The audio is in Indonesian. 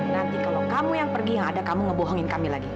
nanti kalau kamu yang pergi yang ada kamu ngebohongin kami lagi